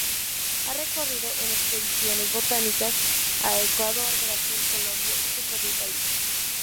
Ha recorrido en expediciones botánicas a Ecuador, Brasil, Colombia, y su propio país.